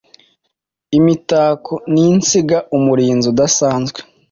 Imitako ninsinga umurinzi udasanzwe